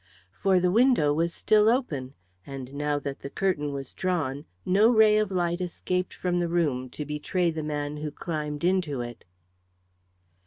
For the window was still open, and now that the curtain was drawn no ray of light escaped from the room to betray the man who climbed into it.